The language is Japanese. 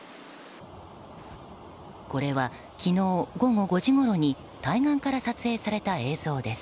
これは、昨日午後５時ごろに対岸から撮影された映像です。